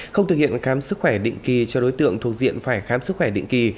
không thực hiện khám sức khỏe định kỳ cho đối tượng thuộc diện phải khám sức khỏe định kỳ